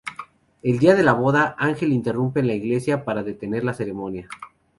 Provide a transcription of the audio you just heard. El día de la boda, Ángel irrumpe en la iglesia para detener la ceremonia.